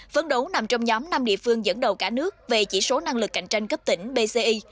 phấn đấu nằm trong nhóm năm địa phương dẫn đầu cả nước về chỉ số năng lực cạnh tranh cấp tỉnh pci